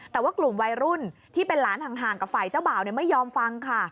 แต่ว่ากลุ่มวัยรุ่นที่เป็นหลานห่างกับฝ่ายเจ้าบ่าวไม่ยอมฟังค่ะ